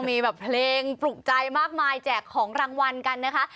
มีแบบเพลงปลุกใจมากมายแจกของรางวัลกันนะคะ